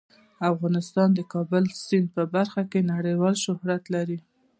افغانستان د د کابل سیند په برخه کې نړیوال شهرت لري.